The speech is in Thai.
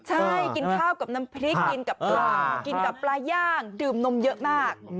ใช่กินข้าวกับน้ำพริกกินกับปลากินกับปลาย่างดื่มนมเยอะมาก